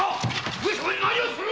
上様に何をする！？